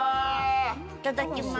いただきます。